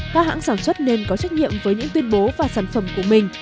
các hãng sản xuất nên có trách nhiệm với những tuyên bố và sản phẩm của mình